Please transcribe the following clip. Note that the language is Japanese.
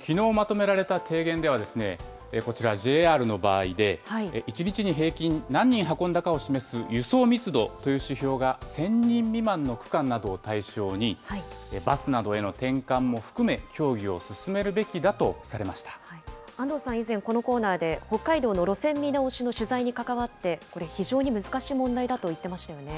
きのうまとめられた提言では、こちら、ＪＲの場合で、１日に平均何人運んだかを示す輸送密度という指標が、１０００人未満の区間などを対象に、バスなどへの転換も含め、安藤さん、以前このコーナーで北海道の路線見直しの取材に関わって、これ、非常に難しい問題だと言っていましたよね。